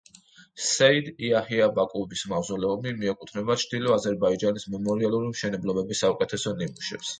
სეიდ იაჰია ბაკუვის მავზოლეუმი მიეკუთვნება ჩრდილო აზერბაიჯანის მემორიალური მშენებლობების საუკეთესო ნიმუშებს.